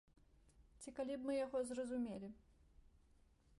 Ці калі б мы яго зразумелі.